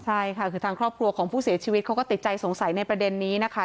ใช่ค่ะคือทางครอบครัวของผู้เสียชีวิตเขาก็ติดใจสงสัยในประเด็นนี้นะคะ